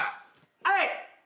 はい。